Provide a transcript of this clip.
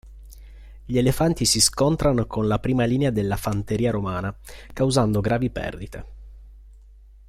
Gli elefanti si scontrarono con la prima linea della fanteria romana, causando gravi perdite.